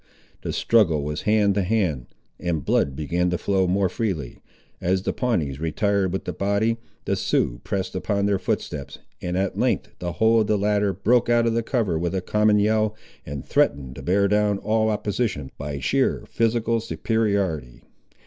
The struggle was hand to hand, and blood began to flow more freely. As the Pawnees retired with the body, the Siouxes pressed upon their footsteps, and at length the whole of the latter broke out of the cover with a common yell, and threatened to bear down all opposition by sheer physical superiority.